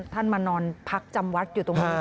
ท่านมานอนพักจำวัดอยู่ตรงนี้